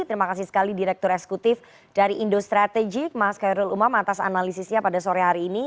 terima kasih sekali direktur eksekutif dari indo strategik mas kairul umam atas analisisnya pada sore hari ini